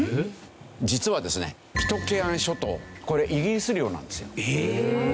実はですねピトケアン諸島これイギリス領なんですよ。